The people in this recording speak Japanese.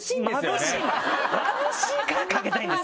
眩しいからかけたいんです！